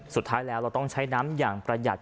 สุดท้ายแล้วเราต้องใช้น้ำอย่างประหยัด